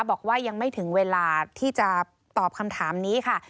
บอกว่ายังไม่ถึงเวลาที่จะตอบคำถามนี้ค่ะ